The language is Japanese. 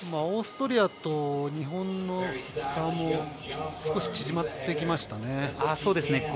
オーストリアと日本の差も少し縮まってきましたね。